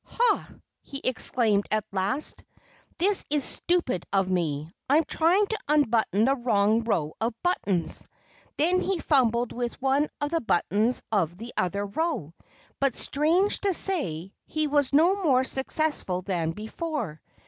"Ha!" he exclaimed at last. "This is stupid of me! I'm trying to unbutton the wrong row of buttons." Then he fumbled with one of the buttons of the other row. But strange to say, he was no more successful than before.